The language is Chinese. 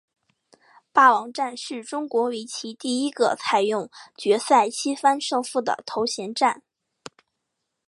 霸王战是中国围棋第一个采用决赛七番胜负的头衔战。